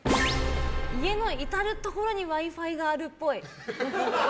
家の至るところにＷｉ‐Ｆｉがあるっぽい。